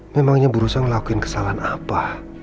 memangnya buruh saya ngelakuin kesalahan apa